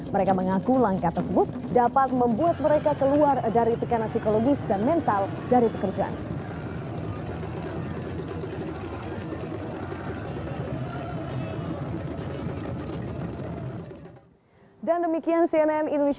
mereka mengaku langkah tersebut dapat membuat mereka keluar dari tekanan psikologis dan mental dari pekerjaan